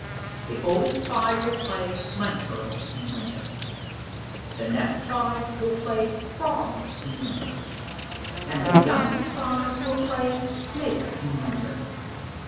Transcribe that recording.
The oldest five will play 'Mud Turtles in winter,' the next five will play 'Frogs in winter,' and the youngest five will play 'Snakes in winter.'